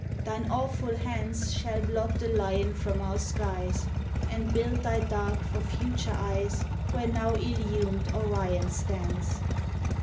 thine awful hands Shall blot the Lion from our skies, And build thy dark for future eyes Where now illumed Orion stands.